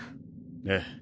ええ。